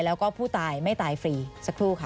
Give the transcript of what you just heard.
แล้วก็ผู้ตายไม่ตายฟรีสักครู่ค่ะ